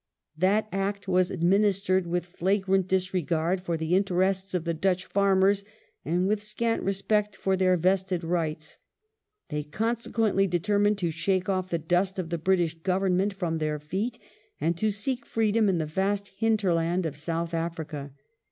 That Act was administered with flagrant disregard for the interests of the Dutch farmers and with scant respect for their vested rights. They consequently determined to shake off the dust of the British Government from their feet, and to seek freedom in the vast hinterland of South Africa.